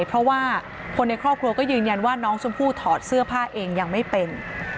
เพราะว่าคนในครอบครัวก็ยืนยันว่าน้องชมพู่ถอดเสื้อผ้าเองยังไม่เป็น